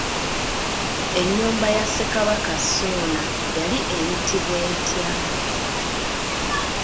Ennyumba ya Ssekabaka Ssuuna yali eyitibwa etya?